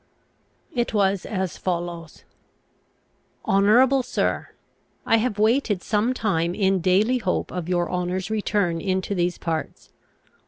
It was as follows: "Honourable Sir, "I have waited some time in daily hope of your honour's return into these parts.